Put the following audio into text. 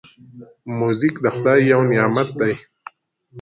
موزیک د خدای یو نعمت دی.